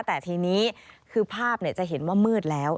แต่ทีนี้คือภาพจะเห็นว่ามืดแล้ว